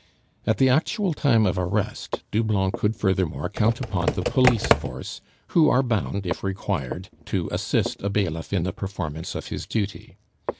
At the actual time of arrest, Doublon could furthermore count upon the police force, who are bound, if required, to assist a bailiff in the performance of his duty.